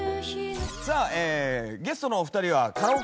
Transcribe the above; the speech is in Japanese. さあゲストのお二人は。